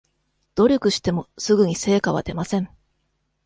努力してもすぐに成果は出ません